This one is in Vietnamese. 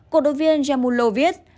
cổ động viên jamulo viết